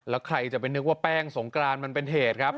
แล้วใครจะไปนึกว่าแป้งสงกรานมันเป็นเหตุครับ